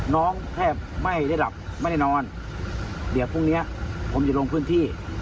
แทบไม่ได้หลับไม่ได้นอนเดี๋ยวพรุ่งนี้ผมจะลงพื้นที่